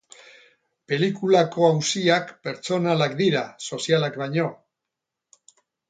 Pelikulako auziak pertsonalak dira, sozialak baino.